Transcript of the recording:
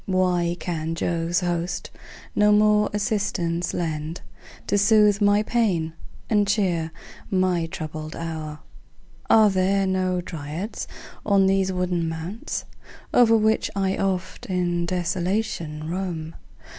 Why can Jove's host no more assistance lend, To soothe my pains, and cheer my troubled hour? Are there no Dryads on these wooded mounts O'er which I oft in desolation roam?